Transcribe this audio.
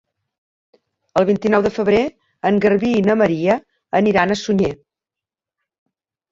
El vint-i-nou de febrer en Garbí i na Maria aniran a Sunyer.